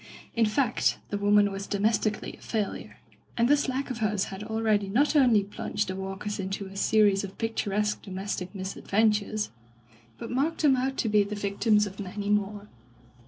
In fact the woman was domestically a failure, and this lack of hers had already not only plunged the Walkers into a series of pictu resque domestic misadventures, but marked them out to be the victims of many more.